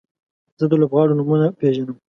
زه د لوبغاړو نومونه پیژنم.